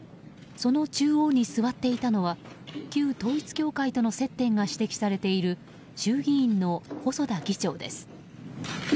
その中央に座っていたのは旧統一教会との接点が指摘されている衆議院の細田議長です。